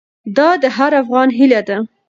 دا د هر افغان هیله ده.